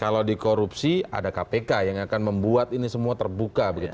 kalau di korupsi ada kpk yang akan membuat ini semua terbuka begitu